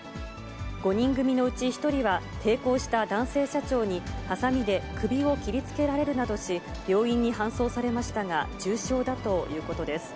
５人組のうち１人は抵抗した男性社長に、はさみで首を切りつけられるなどし、病院に搬送されましたが、重傷だということです。